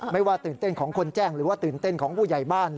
ไม่ว่าตื่นเต้นของคนแจ้งหรือว่าตื่นเต้นของผู้ใหญ่บ้าน